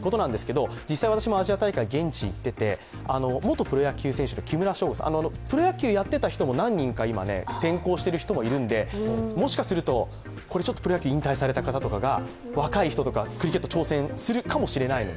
実際、私もアジア大会、現地に行っていて、元プロ野球選手の方、プロ野球をやっていた人も何人か転向しているのでもしかすると、プロ野球を引退された方とか若い人がクリケットに挑戦するかもしれません